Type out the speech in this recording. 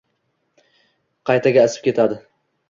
Qaytaga isib ketdi.